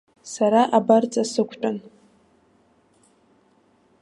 Сара абарҵа сықәтәан.